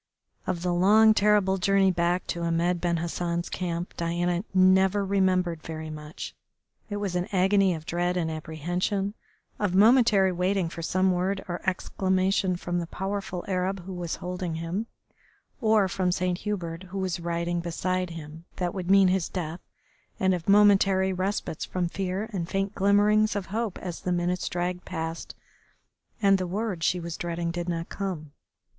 Of the long, terrible journey back to Ahmed Ben Hassan's camp Diana never remembered very much. It was an agony of dread and apprehension, of momentary waiting for some word or exclamation from the powerful Arab who was holding him, or from Saint Hubert, who was riding beside him, that would mean his death, and of momentary respites from fear and faint glimmerings of hope as the minutes dragged past and the word she was dreading did not come.